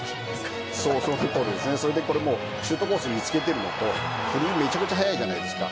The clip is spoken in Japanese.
シュートコースを見つけているのと振り、めちゃくちゃ速いじゃないですか。